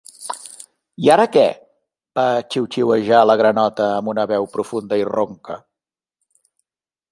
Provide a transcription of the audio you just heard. "I ara què?", va xiuxiuejar la granota amb una veu profunda i ronca.